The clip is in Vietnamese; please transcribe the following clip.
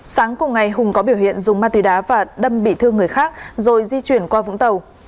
sáng cùng ngày hùng có biểu hiện dùng ma túy đá và đâm bị thương người khác rồi di chuyển qua vũng tàu